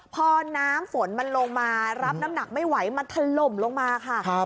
พอน้ำฝนมันลงมารับน้ำหนักไม่ไหวมันถล่มลงมาค่ะ